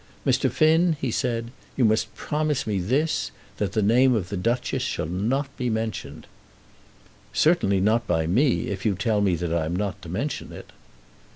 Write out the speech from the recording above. "Mr. Finn," he said, "you must promise me this, that the name of the Duchess shall not be mentioned." "Certainly not by me, if you tell me that I am not to mention it."